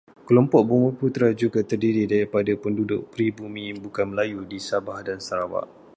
Kelompok bumiputera juga terdiri daripada penduduk peribumi bukan Melayu di Sabah dan Sarawak.